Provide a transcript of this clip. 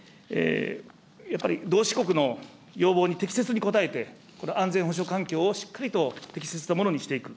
やっぱり同志国の要望に適切に応えて、安全保障環境をしっかりと適切なものにしていく。